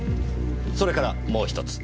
それからもう１つ。